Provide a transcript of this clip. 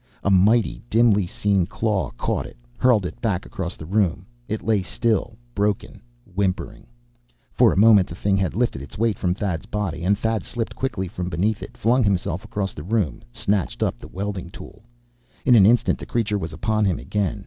A mighty, dimly seen claw caught it, hurled it back across the room. It lay still, broken, whimpering. For a moment the thing had lifted its weight from Thad's body. And Thad slipped quickly from beneath it, flung himself across the room, snatched up the welding tool. In an instant the creature was upon him again.